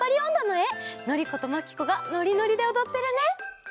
のりことまきこがノリノリでおどってるね！